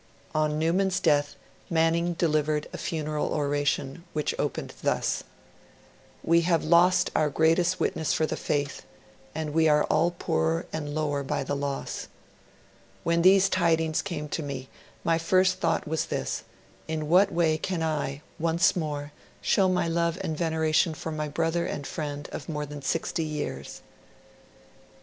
On Newman's death, Manning delivered a funeral oration, which opened thus: 'We have lost our greatest witness for the Faith, and we are all poorer and lower by the loss. 'When these tidings came to me, my first thought was this, in what way can I, once more, show my love and veneration for my brother and friend of more than sixty years?'